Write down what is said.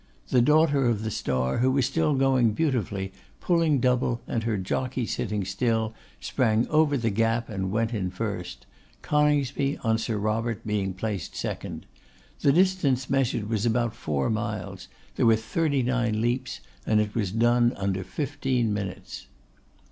The Daughter of the Star, who was still going beautifully, pulling double, and her jockey sitting still, sprang over the gap and went in first; Coningsby, on Sir Robert, being placed second. The distance measured was about four miles; there were thirty nine leaps; and it was done under fifteen minutes.